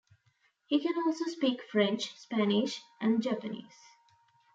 He can also speak French, Spanish, and Japanese.